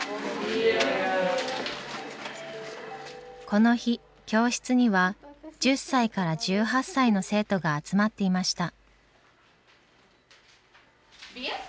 この日教室には１０歳から１８歳の生徒が集まっていました。